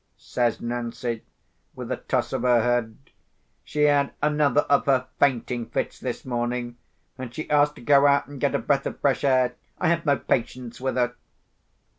says Nancy, with a toss of her head. "She had another of her fainting fits this morning, and she asked to go out and get a breath of fresh air. I have no patience with her!"